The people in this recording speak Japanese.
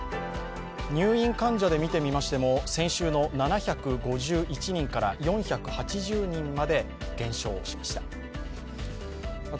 入院患者で見てみましても、先週の７５１人から４８０人まで減少しました。